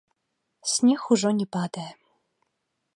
Снег ужо не падае.